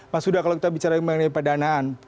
mas huda kalau kita bicara mengenai pendanaan